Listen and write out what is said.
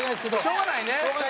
しょうがないね。